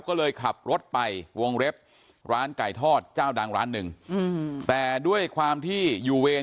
ก็เลยขับรถไปวงเล็บร้านไก่ทอดเจ้าดังร้านหนึ่งอืมแต่ด้วยความที่อยู่เวร